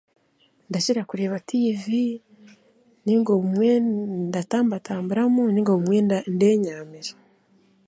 Ndakira kureeba TV, nainga obumwe ndatambatamburamu nainga obumwe nd'enyaamira.